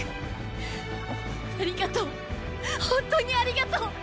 ありがとう本当にありがとう！